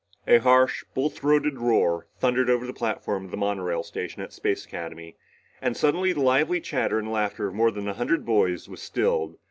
A harsh, bull throated roar thundered over the platform of the monorail station at Space Academy and suddenly the lively chatter and laughter of more than a hundred boys was stilled.